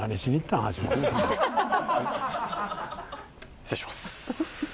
失礼します。